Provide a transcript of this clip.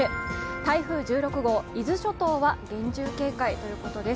台風１６号伊豆諸島は厳重警戒ということです。